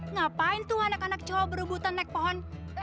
ngapain tuh anak anak coba berebutan naik pohon